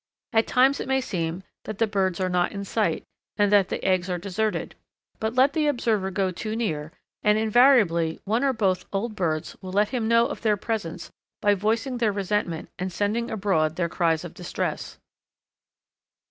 At times it may seem that the birds are not in sight, and that the eggs are deserted; but let the observer go too near, and invariably one or both old birds will let him know of their presence by voicing their resentment and sending abroad their cries of distress.